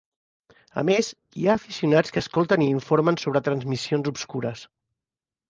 A més, hi ha aficionats que escolten i informen sobre transmissions "obscures".